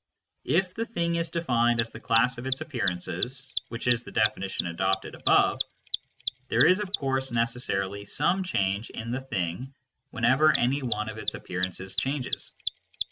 If the thing is defined as the class of its appearances (which is the definition adopted above), there is of course necessarily some change in the thing whenever any one of its appearances changes.